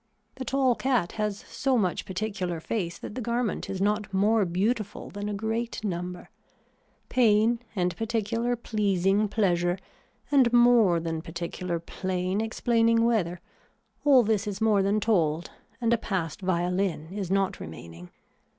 The tall cat has so much particular face that the garment is not more beautiful than a great number. Pain and particular pleasing pleasure and more than particular plain explaining weather all this is more than told and a past violin is not remaining.